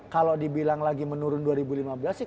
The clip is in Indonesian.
kalau dibilang lagi menurun dua ribu lima belas sih